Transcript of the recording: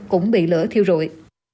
cũng bị lửa thiêu rụi